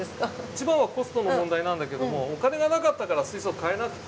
一番はコストの問題なんだけどもお金がなかったから水槽買えなくて。